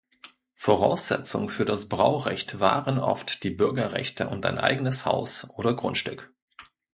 Voraussetzung für das Braurecht waren oft die Bürgerrechte und ein eigenes Haus oder Grundstück.